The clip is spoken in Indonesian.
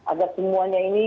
agar semuanya ini